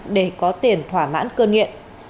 để có tiền thỏa mãn cơ nghiện